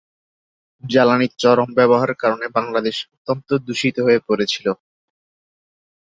জ্বালানির চরম ব্যবহারের কারণে বাংলাদেশ অত্যন্ত দূষিত হয়ে পড়েছিল।